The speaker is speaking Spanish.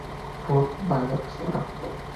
Ford Madox Brown